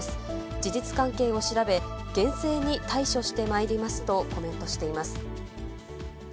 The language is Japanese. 事実関係を調べ、厳正に対処してまいりますとコメントしています。